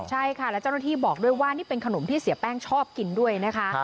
ใช่ค่ะแล้วเจ้าหน้าที่บอกด้วยว่านี่เป็นขนมที่เสียแป้งชอบกินด้วยนะคะ